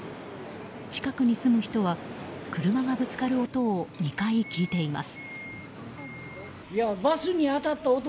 近くに住む人は車がぶつかる音を２回聞いています。